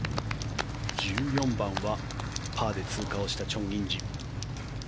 １４番はパーで通過をしたチョン・インジ。